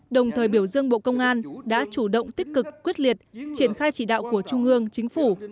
đồng thời biểu dương bộ công an đã chủ động tích cực quyết liệt triển khai chỉ đạo của trung ương chính phủ